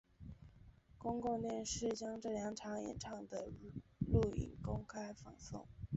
公共电视将这两场演讲的录影公开放送。